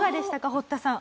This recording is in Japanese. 堀田さん。